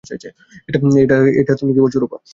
এটা তুমি কি বলছো রুপা?